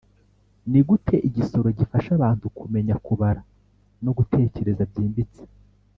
ni gute igisoro gifasha abantu kumenya kubara no gutekereza byimbitse?